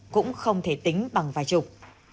cũng không thể tính bằng vài chục